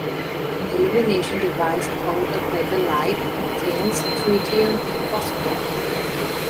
An illumination device called a "betalight" contains tritium and a phosphor.